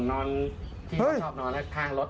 นอนที่น้องชอบนอนทางรถ